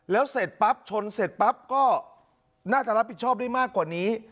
แล้วเสร็จปั๊บชนเสร็จปั๊บก็น่าจะรับผิดชอบได้มากกว่านี้